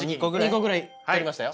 ２個ぐらい取りましたよ。